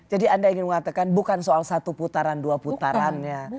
jadi anda ingin mengatakan bukan soal satu putaran dua putarannya